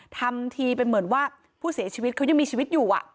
ทำทีเป็นเหมือนว่าผู้เสียชีวิตเขายังมีชีวิตอยู่